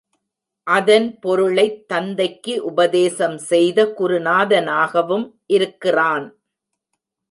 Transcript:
அதன் பொருளைத் தந்தைக்கு உபதேசம் செய்த குருநாதனாகவும் இருக்கிறான்.